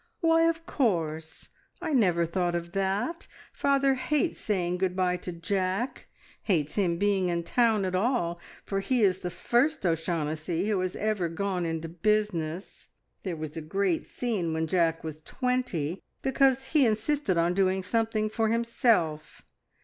"Why, of course, I never thought of that! Father hates saying good bye to Jack, hates him being in town at all, for he is the first O'Shaughnessy who has ever gone into business. There was a great scene when Jack was twenty, because he insisted on doing something for himself.